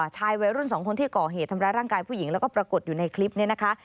ชายวัยรุ่นสองคนที่ก่อเหตุทำร้ายร่างกายผู้หญิงแล้วก็ปรากฏอยู่ในคลิปนี้นะคะ